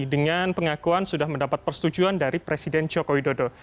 dengan pengakuan sudah mendapat persetujuan dari presiden joko widodo